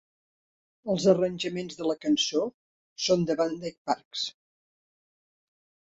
Els arranjaments de la cançó són de Van Dyke Parks.